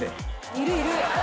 いるいる。